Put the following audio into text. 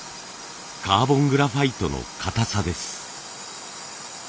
カーボングラファイトの硬さです。